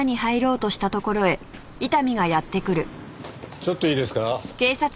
ちょっといいですか？